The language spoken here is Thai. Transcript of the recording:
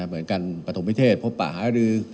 เหมือนการปฐมพิเทศพบป่าหารือ